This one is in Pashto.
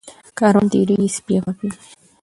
ـ کاروان تېريږي سپي غپيږي.